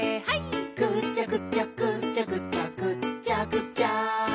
「ぐちゃぐちゃぐちゃぐちゃぐっちゃぐちゃ」